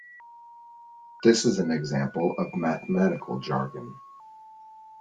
This is an example of mathematical jargon.